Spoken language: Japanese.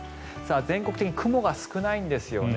全国的に雲が少ないんですよね。